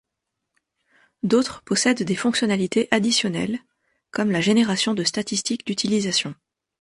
D'autres possèdent des fonctionnalités additionnelles, comme la génération de statistiques d'utilisation.